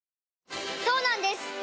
そうなんです